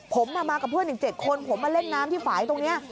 ผมมากับเพื่อนอีก๗คนผมมาเล่นน้ำที่ฝ่ายตรงนี้